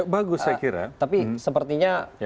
bagus saya kira tapi sepertinya